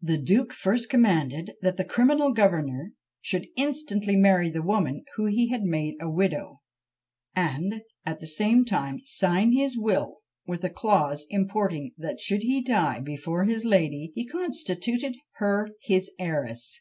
The duke first commanded that the criminal governor should instantly marry the woman whom he had made a widow, and at the same time sign his will, with a clause importing that should he die before his lady he constituted her his heiress.